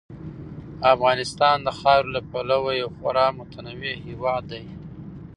افغانستان د خاورې له پلوه یو خورا متنوع هېواد دی.